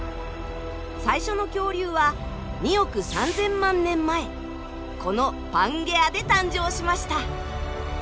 最初の恐竜は２億３，０００万年前このパンゲアで誕生しました。